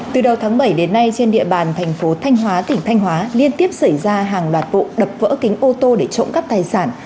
từ đầu tháng bảy đến nay trên địa bàn thành phố thanh hóa tỉnh thanh hóa liên tiếp xảy ra hàng loạt vụ đập vỡ kính ô tô để trộm cắp tài sản